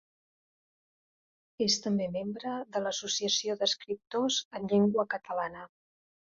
És també membre de l'Associació d'Escriptors en Llengua Catalana.